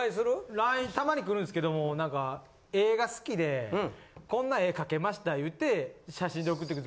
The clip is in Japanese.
ＬＩＮＥたまに来るんですけども絵が好きでこんな絵描けましたいって写真で送ってくる。